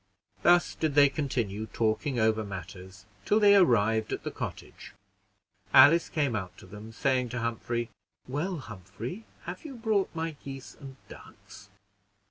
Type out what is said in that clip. Thus did they continue talking over matters till they arrived at the cottage. Alice came out to them, saying to Humphrey, "Well, Humphrey, have you brought my geese and ducks?"